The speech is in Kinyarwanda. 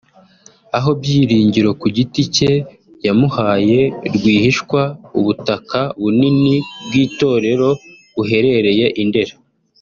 aho Byiringiro ku giti cye yamuhaye rwihishwa ubutaka bunini bw’itorero buherereye i Ndera